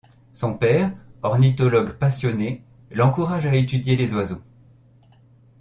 Son père, ornithologue passionné, l’encourage à étudier les oiseaux.